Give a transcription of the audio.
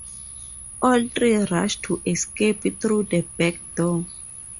All three rush to escape through the back door.